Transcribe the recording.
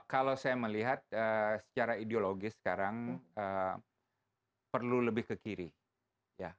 kalau saya melihat secara ideologis sekarang perlu lebih ke kiri ya